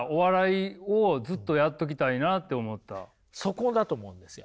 そこだと思うんですよ。